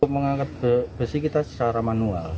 mengangkat besi kita secara manual